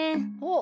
お！